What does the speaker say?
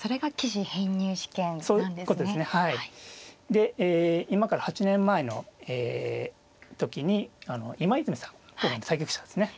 で今から８年前の時に今泉さん対局者ですね。